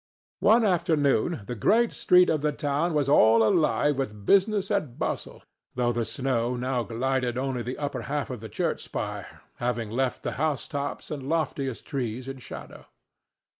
One afternoon the great street of the town was all alive with business and bustle, though the sun now gilded only the upper half of the church spire, having left the housetops and loftiest trees in shadow.